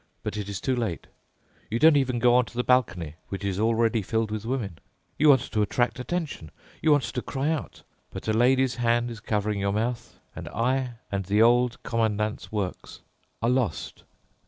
But it is too late. You don't even go onto the balcony, which is already filled with women. You want to attract attention. You want to cry out. But a lady's hand is covering your mouth, and I and the Old Commandant's work are lost."